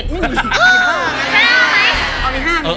มี๕มั้ย